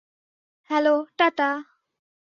Hello, tata.